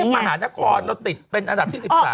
กรุงเทพมหานครเราติดเป็นอันดับที่๑๓